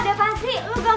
pelit banget si tipe sihir